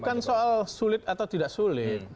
bukan soal sulit atau tidak sulit